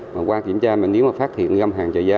mà qua kiểm tra mà nếu mà phát hiện găm hàng trở giá